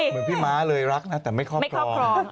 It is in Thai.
เหมือนพี่ม้าเลยรักนะแต่ไม่ครอบครอง